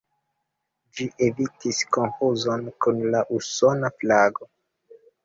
Ĝi evitis konfuzon kun la usona flago.